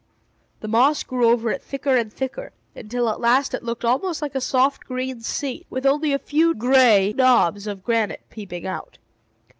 The moss grew over it thicker and thicker, until at last it looked almost like a soft green seat, with only a few gray knobs of granite peeping out.